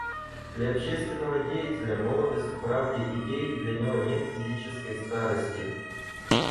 Для общественного деятеля молодость в правде идей, для него нет физической старости.